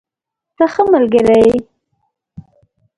ته ښه ملګری یې.